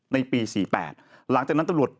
ในปี๔๘หลังจากนั้นตำรวจ